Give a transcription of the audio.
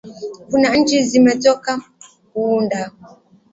kuna nchi zimezotoka kuunda